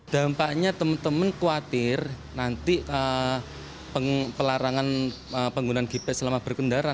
dampaknya teman teman khawatir nanti pelarangan penggunaan gipe selama berkendara